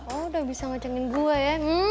oh udah bisa ngacengin gua ya